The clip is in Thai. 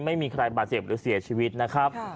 ไม่มีใครบาดเจ็บหรือเสียชีวิตนะครับ